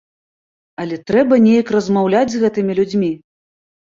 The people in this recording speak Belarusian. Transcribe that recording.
Але трэба неяк размаўляць з гэтымі людзьмі.